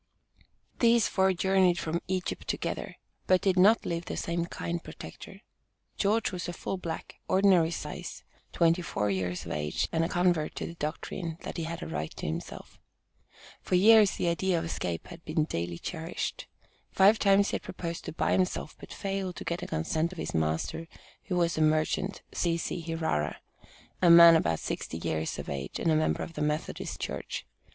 These four journeyed from "Egypt" together but did not leave the same "kind protector." George was a full black, ordinary size, twenty four years of age, and a convert to the doctrine that he had a right to himself. For years the idea of escape had been daily cherished. Five times he had proposed to buy himself, but failed to get the consent of his "master," who was a merchant, C.C. Hirara, a man about sixty years of age, and a member of the Methodist Church.